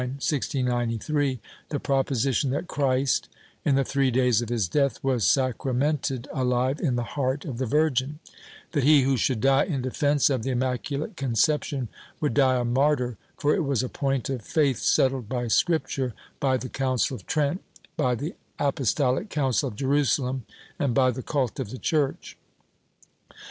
Chap. VII] THE PULPIT 175 for having defended at Jativa, October 9, 1693, the proposition that Christ, in the three days of his death, was sacramented aUve in the heart of the Virgin ; that he who should die in defence of the Immaculate Conception would die a martyr, for it was a point of faith settled by Scripture, by the Council of Trent, by the Apostolic Council of Jerusalem and by the cult of the Church.